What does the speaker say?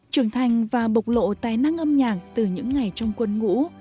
trưởng thành và bộc lộ tài năng âm nhạc từ những ngày trong quân ngũ